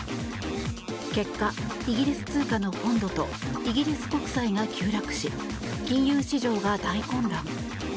結果、イギリス通貨のポンドとイギリス国債が急落し金融市場が大混乱。